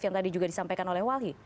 yang tadi juga disampaikan oleh walhi